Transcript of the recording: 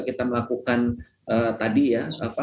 kita melakukan tadi ya